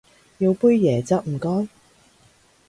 要杯椰汁唔該